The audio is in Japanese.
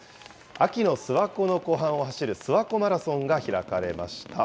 秋の諏訪湖の湖畔を走る、諏訪湖マラソンが開かれました。